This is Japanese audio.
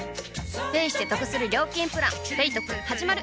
ペイしてトクする料金プラン「ペイトク」始まる！